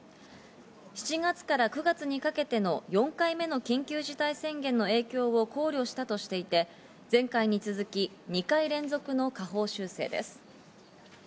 ７月から９月にかけての４回目の緊急事態宣言の影響を考慮したとしていて、前回に続き、２回連続の下方修正です。